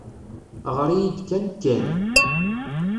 Ɣer-iyi-d kan Ken.